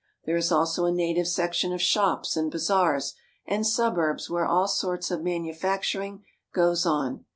There is also a native section of shops and bazaars and suburbs where all sorts of manufacturing goes on.